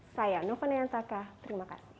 saya nova neantaka terima kasih